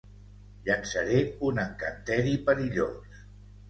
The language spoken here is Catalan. Llançaré un encanteri perillós.